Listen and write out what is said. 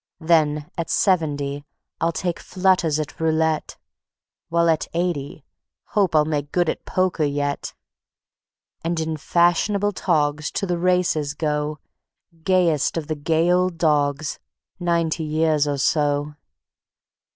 Then at seventy I'll take flutters at roulette; While at eighty hope I'll make good at poker yet; And in fashionable togs to the races go, Gayest of the gay old dogs, ninety years or so.